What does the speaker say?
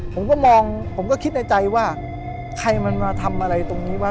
ผมก็มองผมก็คิดในใจว่าใครมันมาทำอะไรตรงนี้วะ